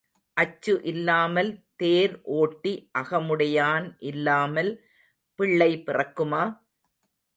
அச்சு இல்லாமல் தேர் ஓட்டி அகமுடையான் இல்லாமல் பிள்ளை பிறக்குமா?